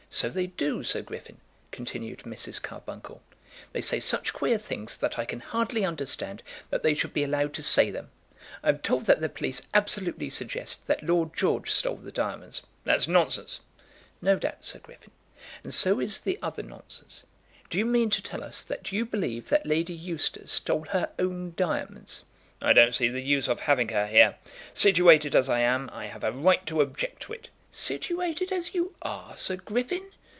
"So they do, Sir Griffin," continued Mrs. Carbuncle. "They say such queer things that I can hardly understand that they should be allowed to say them. I am told that the police absolutely suggest that Lord George stole the diamonds." "That's nonsense." "No doubt, Sir Griffin. And so is the other nonsense. Do you mean to tell us that you believe that Lady Eustace stole her own diamonds?" "I don't see the use of having her here. Situated as I am, I have a right to object to it." "Situated as you are, Sir Griffin!"